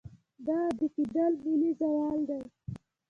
دا عادي کېدل ملي زوال دی.